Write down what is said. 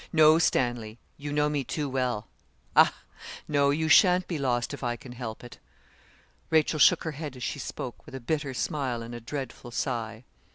'No, Stanley; you know me too well. Ah! No, you sha'n't be lost if I can help it.' Rachel shook her head as she spoke, with a bitter smile and a dreadful sigh.